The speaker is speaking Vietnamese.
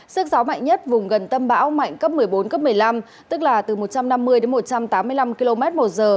sức gió mạnh nhất vùng gần tâm bão mạnh cấp một mươi bốn cấp một mươi năm tức là từ một trăm năm mươi đến một trăm tám mươi năm km một giờ